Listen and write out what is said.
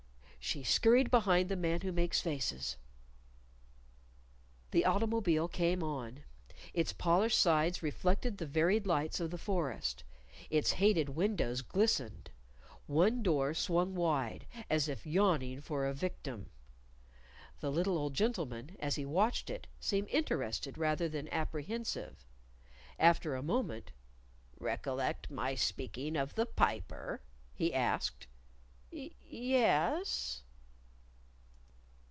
She scurried behind the Man Who Makes Faces. The automobile came on. Its polished sides reflected the varied lights of the forest. Its hated windows glistened. One door swung wide, as if yawning for a victim! The little old gentleman, as he watched it, seemed interested rather than apprehensive. After a moment, "Recollect my speaking of the Piper?" he asked. "Y y yes."